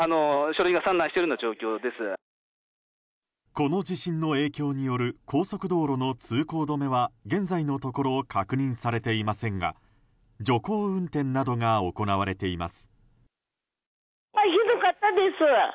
この地震の影響による高速道路の通行止めは現在のところ確認されていませんが徐行運転などが行われています。